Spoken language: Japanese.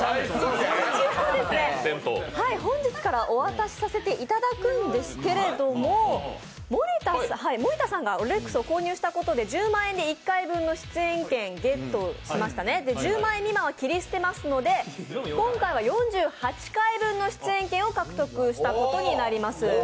本日からお渡しさせていただくんですけれども、森田さんがロレックスを購入したことで１０万円で１回分の出演券ゲット、１０万円未満は切り捨てますので今回は４８回分の出演券を獲得したことになります。